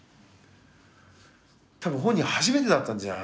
多分本人初めてだったんじゃない？